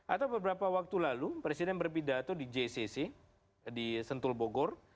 atau beberapa waktu lalu presiden berpidato di jcc di sentul bogor